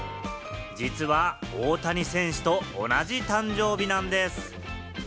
実は大谷選手と同じ誕生日なんです。